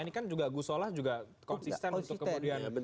ini kan juga gusola juga konsisten untuk kemudian